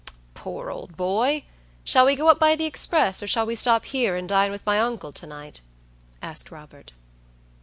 "Poor old boy! Shall we go up by the express, or shall we stop here and dine with my uncle to night?" asked Robert.